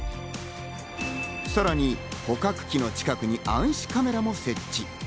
さらに捕獲器の近くに暗視カメラも設置。